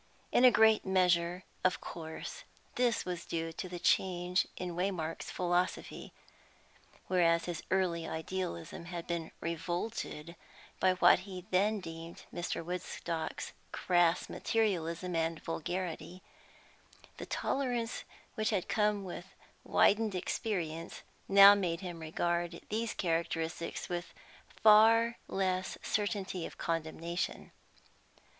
In a great measure, of course, this was due to the change in Waymark's philosophy; whereas his early idealism had been revolted by what he then deemed Mr. Woodstock's crass materialism and vulgarity, the tolerance which had come with widened experience now made him regard these characteristics with far less certainty of condemnation.